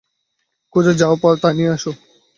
খুঁজে যা পাও তাই নিয়ে এসো।